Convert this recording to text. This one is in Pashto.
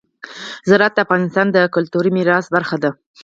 زراعت د افغانستان د کلتوري میراث برخه ده.